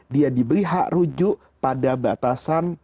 dia dibeli hak rujuk pada batasan